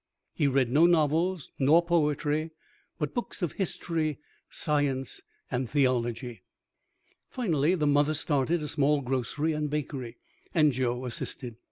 He read no novels nor poetry, but books of history, science, and theology. Finally the mother started a small grocery and bakery, and Joe assisted.